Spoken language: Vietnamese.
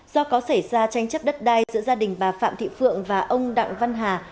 do có xảy ra tranh chấp đất đai giữa gia đình bà phạm thị phượng và ông đặng văn hà